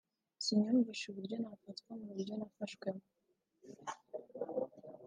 ariko siniyumvishe ko nafatwa mu buryo nafashwemo